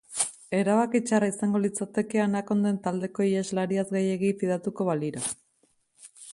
Erabaki txarra izango litzateke anakonden taldeko iheslariaz gehiegi fidatuko balira.